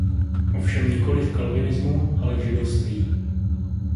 Ovšem nikoli v kalvinismu ale v židovství.